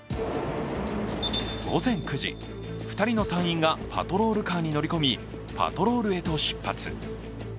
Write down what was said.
午前９時、２人の隊員がパトロールカーに乗り込みパトロールへと出発。